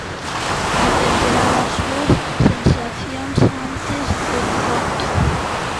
Dependerá das súas sensacións antes do encontro.